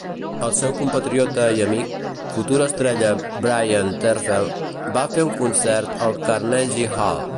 El seu compatriota i amic, futura estrella Bryn Terfel, va fer un concert al Carnegie Hall.